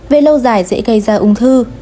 về lâu dài dễ gây ra ung thư